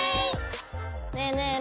ねえねえ